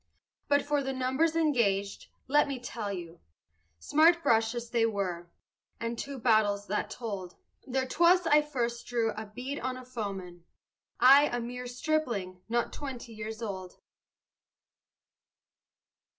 But for the numbers engaged, let me tell you, Smart brushes they were, and two battles that told; There 'twas I first drew a bead on a foeman I, a mere stripling, not twenty years old.